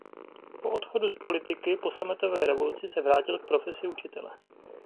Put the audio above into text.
Po odchodu z politiky po sametové revoluci se vrátil k profesi učitele.